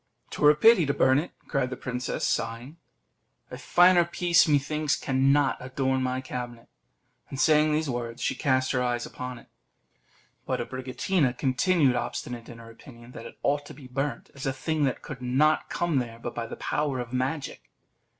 "'Twere a pity to burn it," cried the princess, sighing; "a finer piece, methinks, cannot adorn my cabinet." And saying these words, she cast her eyes upon it. But Abricotina continued obstinate in her opinion that it ought to be burnt, as a thing that could not come there but by the power of magic.